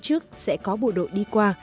trước sẽ có bộ đội đi qua